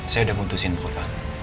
saya udah mutusin pak